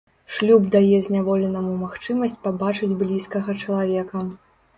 Шлюб дае зняволенаму магчымасць пабачыць блізкага чалавека.